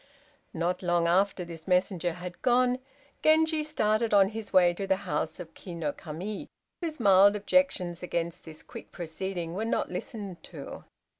Not long after this messenger had gone, Genji started on his way to the house of Ki no Kami, whose mild objections against this quick proceeding were not listened to.